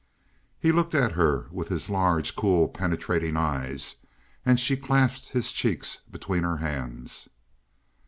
He looked at her with his large, cool, penetrating eyes, and she clasped his cheeks between her hands.